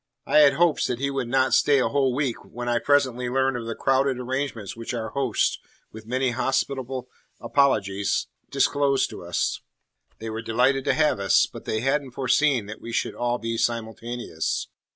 I had hopes that he would not stay a whole week when I presently learned of the crowded arrangements which our hosts, with many hospitable apologies, disclosed to us. They were delighted to have us, but they hadn't foreseen that we should all be simultaneous.